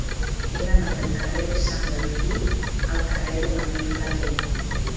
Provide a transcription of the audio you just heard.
He d'anar del carrer de Sant Delfí al carrer de Mañé i Flaquer.